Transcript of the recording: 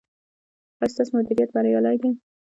ایا ستاسو مدیریت بریالی دی؟